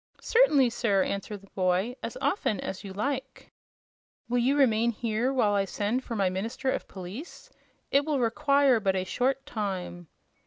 "Certainly, sir," answered the boy; "as often as you like." "Will you remain here while I send for my minister of police? It will require but a short time."